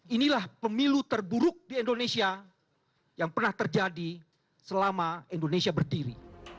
inilah pemilu terburuk di indonesia yang pernah terjadi selama indonesia berdiri